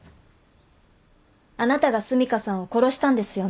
あなたが澄香さんを殺したんですよね。